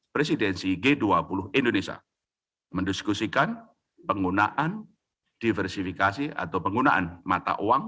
presidensi g dua puluh indonesia mendiskusikan penggunaan diversifikasi atau penggunaan mata uang